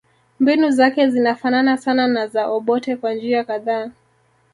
Mbinu zake zinafanana sana na za Obote kwa njia kadhaa